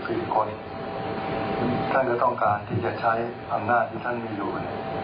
ท่านก็ต้องการที่จะใช้อำนาจที่ท่านมีอยู่